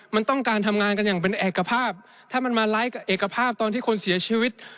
มันต้องการทำงานกันอย่างเป็นเอกภาพถ้ามันมาไลค์กับเอกภาพตอนที่คนเสียชีวิต